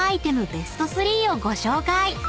ベスト３をご紹介］